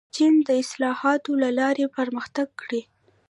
چین د اصلاحاتو له لارې پرمختګ کړی.